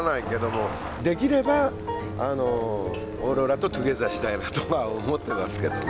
できればオーロラとトゥギャザーしたいなとは思ってますけどね。